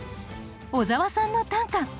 小沢さんの短歌。